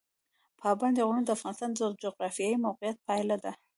پابندی غرونه د افغانستان د جغرافیایي موقیعت پایله ده.